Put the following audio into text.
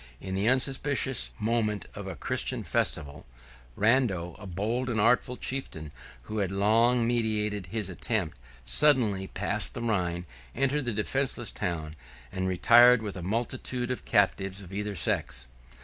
In the unsuspicious moment of a Christian festival, 9211 Rando, a bold and artful chieftain, who had long meditated his attempt, suddenly passed the Rhine; entered the defenceless town, and retired with a multitude of captives of either sex.